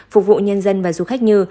phục vụ nhân dân và du khách như